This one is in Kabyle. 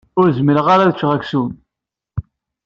Ur zmireɣ ara ad ččeɣ aksum.